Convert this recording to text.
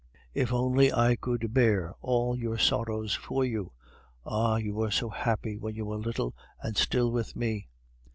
If only I could bear all your sorrows for you! ... Ah! you were so happy when you were little and still with me...."